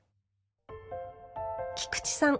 菊池さん